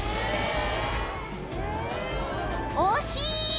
［惜しい。